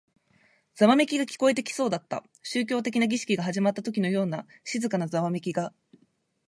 ざわめきが聞こえてきそうだった。宗教的な儀式が始まったときのような静かなざわめきが。